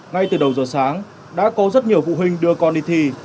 ngay từ đầu giờ sáng đã có rất nhiều phụ huynh đưa con đi thi